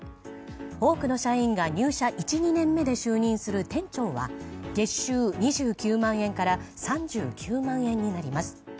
多くの社員が入社１２年目で就任する店長は月収２９万円から３９万円になります。